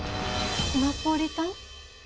ナポリタン？